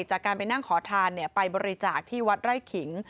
จากการไปนั่งขอทานไปบริจาคที่วัดไร่ขิง